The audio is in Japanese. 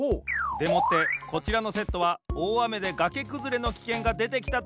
でもってこちらのセットはおおあめでがけくずれのきけんがでてきたときの避難場所。